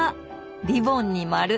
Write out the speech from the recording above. リボンに丸。